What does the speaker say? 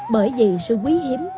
bởi vì sự quý hiếm